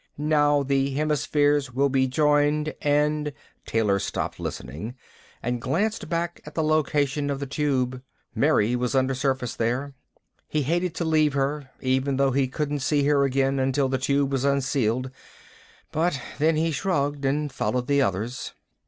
Now the hemispheres will be joined and " Taylor stopped listening and glanced back at the location of the Tube. Mary was undersurface there. He hated to leave her, even though he couldn't see her again until the Tube was unsealed. But then he shrugged and followed the others.